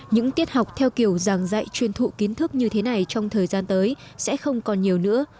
những tiết học theo kiểu giảng dạy chuyên thụ kiến thức như thế này trong thời gian tới sẽ không còn nhiều nữa